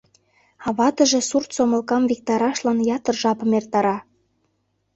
А ватыже сурт сомылкам виктарашлан ятыр жапым эртара.